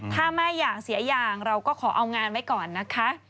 ถ้าแม่อยากเสียอย่างเราก็ขอเอางานไว้ก่อนนะคะ